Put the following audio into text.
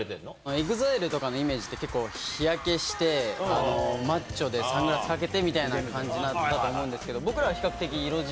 ＥＸＩＬＥとかのイメージって結構、日焼けして、マッチョでサングラスかけてみたいな感じだと思うんですけど、僕らは比較的色白。